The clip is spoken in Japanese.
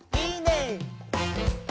いいね！